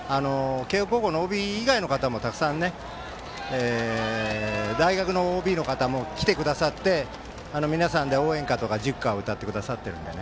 慶応高校のＯＢ以外の方もたくさん大学のＯＢの方も来てくださって皆さんで応援歌とか塾歌を歌ってくださっているので。